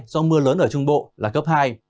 do mưa lớn ở trung bộ là cấp hai